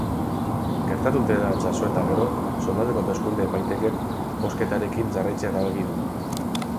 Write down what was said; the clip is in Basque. Gertatu dena jaso eta gero, zonaldeko hauteskunde epaitegiak bozketarekin jarraitzea erabaki du.